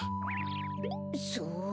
そう。